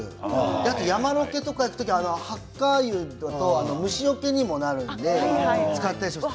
あと山ロケとか行く時はハッカ油虫よけにもなるので使ったりします。